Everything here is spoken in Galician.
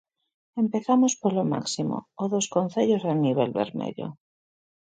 Empezamos polo máximo, o dos concellos en nivel vermello.